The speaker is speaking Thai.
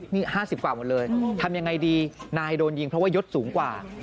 นี่๕๐กว่าหมดเลยทำยังไงดีนายโดนยิงเพราะว่ายศสูงกว่า